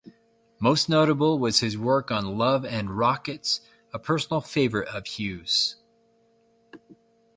Most notable was his work on Love and Rockets, a personal favourite of Hughes.